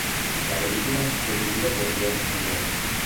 La película fue dirigida por Jon Amiel.